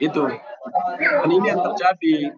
dan ini yang terjadi